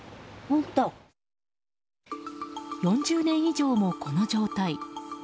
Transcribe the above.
４０年以上も、この状態。